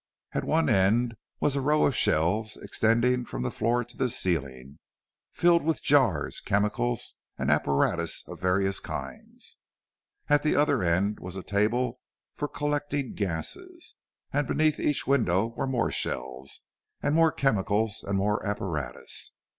At one end was a row of shelves extending from the floor to the ceiling, filled with jars, chemicals, and apparatus of various kinds. At the other end was a table for collecting gases, and beneath each window were more shelves, and more chemicals, and more apparatus.